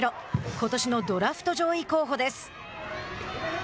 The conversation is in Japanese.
ことしのドラフト上位候補です。